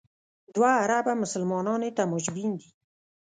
دوه اربه مسلمانان یې تماشبین دي.